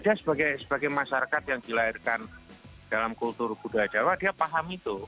dia sebagai masyarakat yang dilahirkan dalam kultur budaya jawa dia paham itu